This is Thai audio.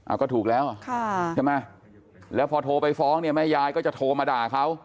เอาก็ถูกแล้วค่ะใช่ไหมแล้วพอโทรไปฟ้องเนี่ยแม่ยายก็จะโทรมาด่าเขา